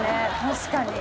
確かに。